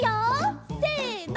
せの。